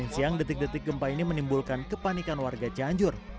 siang detik detik gempa ini menimbulkan kepanikan warga cianjur